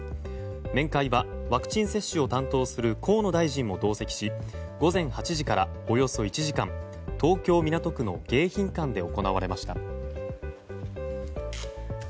面会はワクチン接種を担当する河野大臣も同席し午前８時からおよそ１時間東京・港区の迎賓館で行われました。